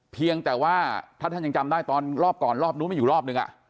เพียงแต่ว่าถ้าท่านยังจำได้ตอนรอบก่อนรอบนู้นไม่อยู่รอบนึง